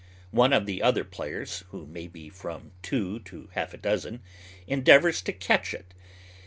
One of the other players (who may be from two to half a dozen) endeavours to catch it.